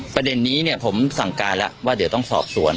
ประเด็นนี้เนี่ยผมสั่งการแล้วว่าเดี๋ยวต้องสอบสวน